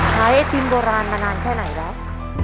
ไอทีมโบราณมานานแค่ไหนแล้ว